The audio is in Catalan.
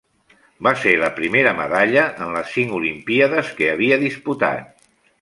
Va ser la primera medalla en les cinc olimpíades que havia disputat.